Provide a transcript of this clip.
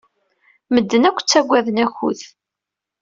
Medden akk ttaggaden akud.